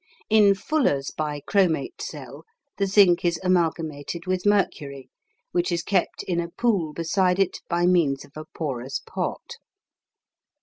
In Fuller's bichromate cell the zinc is amalgamated with mercury, which is kept in a pool beside it by means of a porous pot.